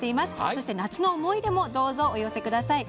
そして「夏の思い出」もどうぞお寄せください。